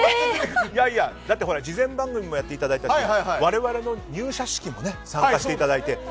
だって事前番組もやっていただいたし我々の入社式にも参加していただいて。